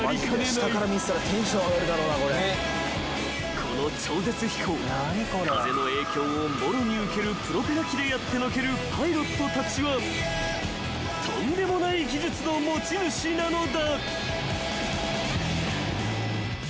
［この超絶飛行風の影響をもろに受けるプロペラ機でやってのけるパイロットたちはとんでもない技術の持ち主なのだ］